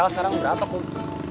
real sekarang berapa kum